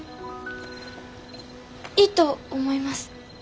いいと思います。